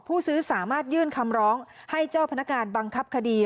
ผู้ซื้อสามารถยื่นคำร้องให้เจ้าพนักงานบังคับคดี